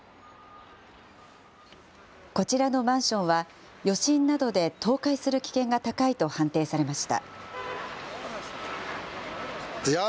こちらのマンションは、余震などで倒壊する危険が高いと判定されました。